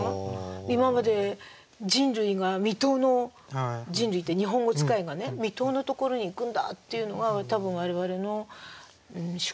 今まで人類が未到の人類って日本語使いがね未到のところに行くんだっていうのが多分我々の宿命。